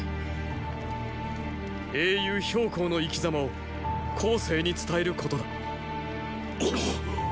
英雄公の生きざまを後世に伝えることだ。っ！